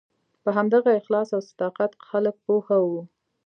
په همدغه اخلاص او صداقت خلک پوه وو.